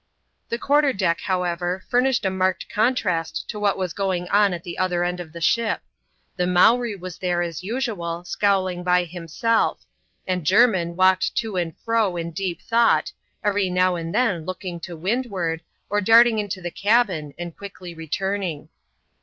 The quarter deck, however, furnished a marked contrast to what was going on at the other end of the ship. The Mowree was there, as usual, scowling by himself; and Jermin walked to and fro in deep thought, every now and then looking to wind ward, or darting into the cabin and quickly returning.